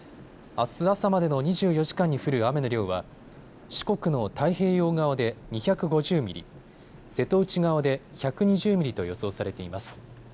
あす朝までの２４時間に降る雨の量は四国の太平洋側で２５０ミリ、瀬戸内側で１２０ミリと予想されています。